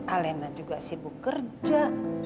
alena juga sibuk kerja